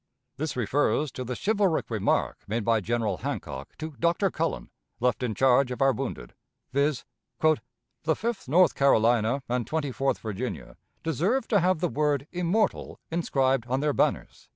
This refers to the chivalric remark made by General Hancock to Dr. Cullen, left in charge of our wounded, viz., "The Fifth North Carolina and Twenty fourth Virginia deserve to have the word immortal inscribed on their banners."